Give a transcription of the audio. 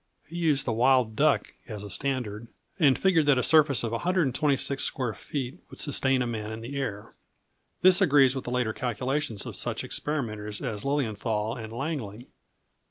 He used the wild duck as a standard, and figured that a surface of 126 square feet would sustain a man in the air. This agrees with the later calculations of such experimenters as Lilienthal and Langley.